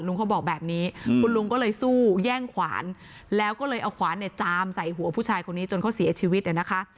เขาบอกแบบนี้คุณลุงก็เลยสู้แย่งขวานแล้วก็เลยเอาขวานเนี่ยจามใส่หัวผู้ชายคนนี้จนเขาเสียชีวิตนะคะ